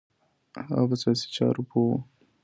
هغه په سیاسی چارو پوه و